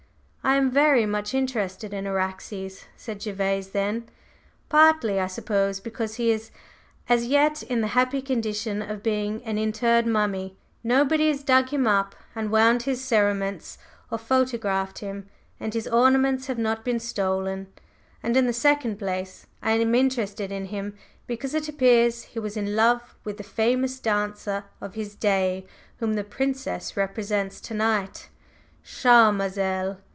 "I am very much interested in Araxes," said Gervase then, "partly, I suppose, because he is as yet in the happy condition of being an interred mummy. Nobody has dug him up, unwound his cerements, or photographed him, and his ornaments have not been stolen. And in the second place I am interested in him because it appears he was in love with the famous dancer of his day whom the Princess represents to night, Charmazel.